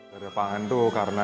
garda pangan itu karena